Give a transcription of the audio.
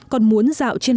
còn muốn dạo trên